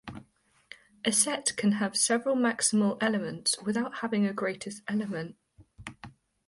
A set can have several maximal elements without having a greatest element.